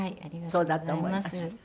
そうだと思いました。